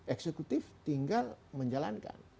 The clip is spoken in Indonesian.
eksekutif tinggal menjalankan